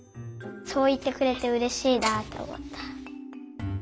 そういってくれてうれしいなとおもった。